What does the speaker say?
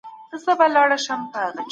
يو کس واک چلوي.